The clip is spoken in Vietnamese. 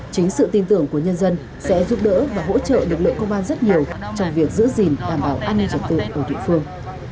chính sự tin tưởng của nhân dân sẽ giúp đỡ và hỗ trợ lực lượng công an rất nhiều trong việc giữ gìn đảm bảo an ninh trật tự ở địa phương